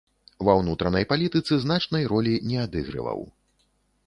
Ва ўнутранай палітыцы значнай ролі не адыгрываў.